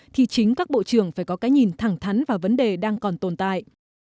thì chính các bộ trưởng phải có cái nhìn thẳng thắn vào vấn đề đang còn tồn tại